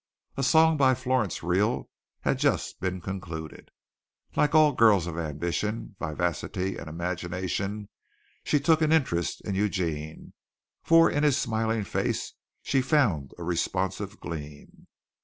A song by Florence Reel had just been concluded. Like all girls of ambition, vivacity and imagination, she took an interest in Eugene, for in his smiling face she found a responsive gleam.